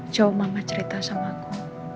jauh mama cerita sama aku